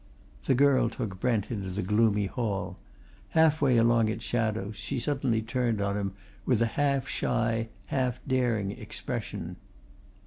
The girl took Brent into the gloomy hall. Halfway along its shadows, she suddenly turned on him with a half shy, half daring expression.